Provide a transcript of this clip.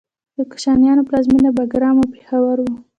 د کوشانیانو پلازمینه بګرام او پیښور و